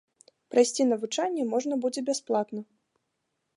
Прайсці навучанне можна будзе бясплатна.